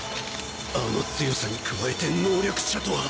あの強さに加えて能力者とは。